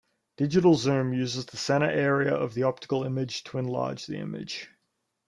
Digital zoom use the center area of the optical image to enlarge the image.